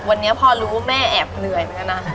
พ่อวันนี้พอรู้แม่แอบเหนื่อยนะ